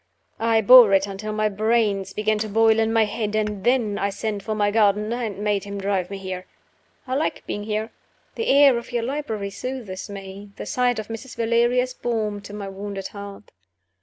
I bore it until my brains began to boil in my head; and then I sent for my gardener, and made him drive me here. I like being here. The air of your library soothes me; the sight of Mrs. Valeria is balm to my wounded heart.